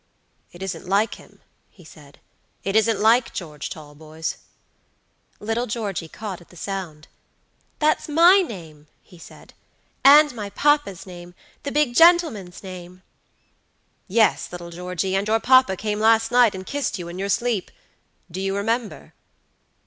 "It isn't like him," he said, "it isn't like George Talboys." Little Georgey caught at the sound. "That's my name," he said, "and my papa's namethe big gentleman's name." "Yes, little Georgey, and your papa came last night and kissed you in your sleep. Do you remember?"